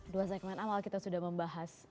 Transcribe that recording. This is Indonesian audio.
dua segmen awal kita sudah membahas